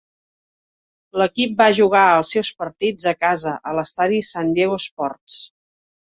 L'equip va jugar els seus partits a casa a l'estadi San Diego Sports.